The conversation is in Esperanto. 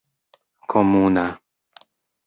komuna